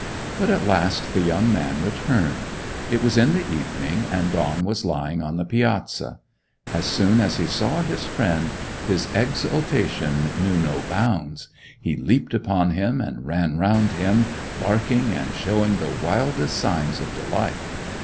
But at last the young man returned. It was in the evening, and Don was lying on the piazza. As soon as he saw his friend, his exultation knew no bounds. He leaped upon him, and ran round him, barking and showing the wildest signs of delight.